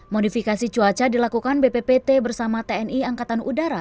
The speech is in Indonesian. modifikasi cuaca dilakukan bppt bersama tni angkatan udara